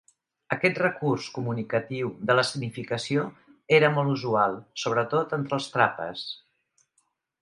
Aquest recurs comunicatiu de l'escenificació era molt usual, sobretot entre els Trapas.